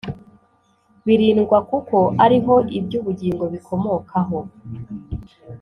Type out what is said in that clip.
birindwa kuko ari ho iby ubugingo bikomokaho